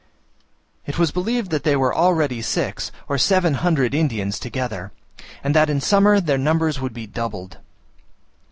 It was believed that there were already six or seven hundred Indians together, and that in summer their numbers would be doubled.